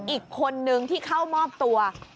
อีกคนนึงที่เข้ามอบตัว